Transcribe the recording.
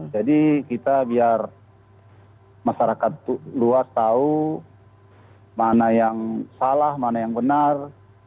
jadi kita biar masyarakat luas tahu mana yang salah mana yang benar